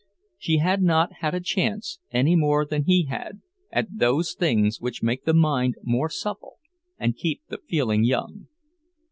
She had not had a chance, any more than he had, at those things which make the mind more supple and keep the feeling young.